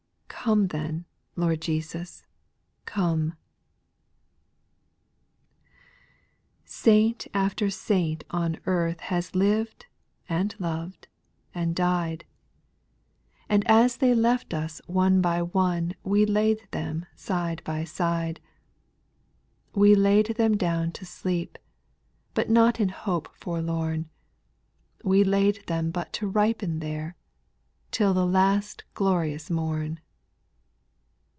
Come then, Lord Jesus, come I 2. Saint after saint on earth Il/w liv^d, and Jov'd, and died ; SPIRITUA L SONGS. 46 And as they left us one by one, We laid them side by side ; We laid them down to sleep, But not in hope forlorn ; We laid them but to ripen there, Till the last glorious morn.